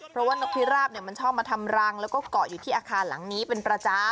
เพราะว่านกพิราบมันชอบมาทำรังแล้วก็เกาะอยู่ที่อาคารหลังนี้เป็นประจำ